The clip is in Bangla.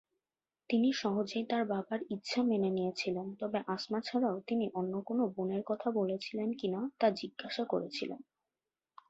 তিনি সহজেই তার বাবার ইচ্ছা মেনে নিয়েছিলেন তবে আসমা ছাড়াও তিনি অন্য কোন বোনের কথা বলছিলেন তা জিজ্ঞাসা করেছিলেন।